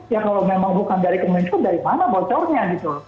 ya kalau memang bukan dari kemenkum dari mana bocornya gitu